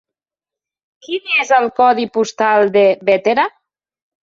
Quin és el codi postal de Bétera?